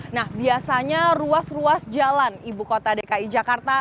nah biasanya ruas ruas jalan ibu kota dki jakarta